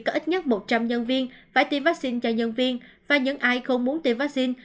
có ít nhất một trăm linh nhân viên phải tiêm vaccine cho nhân viên và những ai không muốn tiêm vaccine